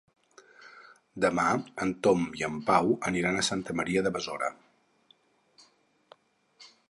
Demà en Tom i en Pau aniran a Santa Maria de Besora.